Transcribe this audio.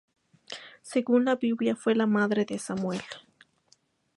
Según la Biblia fue la madre de Samuel.